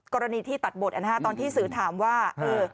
กรณีที่ตัดบทตอนที่สื่อถามว่า